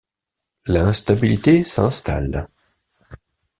L’instabilité s’installe.